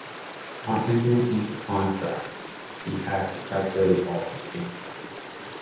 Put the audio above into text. Upon entering into contract, he had to calculate all his chances.